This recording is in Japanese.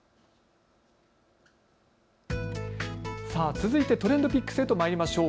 続いてＴｒｅｎｄＰｉｃｋｓへとまいりましょう。